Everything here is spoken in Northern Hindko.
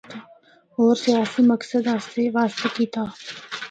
ہور سیاسی مقصد واسطے کیتا۔